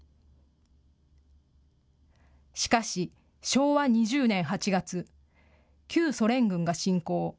しかし昭和２０年８月、旧ソ連軍が侵攻。